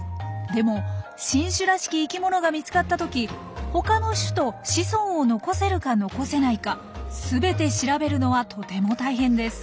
でも新種らしき生きものが見つかったとき他の種と子孫を残せるか残せないか全て調べるのはとても大変です。